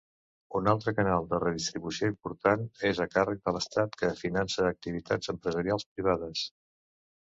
Un altre canal de redistribució important és a càrrec de l'estat, que finança activitats empresarials privades.